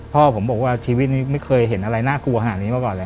พ่อผมบอกว่าชีวิตนี้ไม่เคยเห็นอะไรน่ากลัวขนาดนี้มาก่อนเลย